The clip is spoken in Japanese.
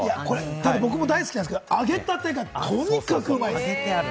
僕も大好きなんですが、揚げたてがとにかくうまい。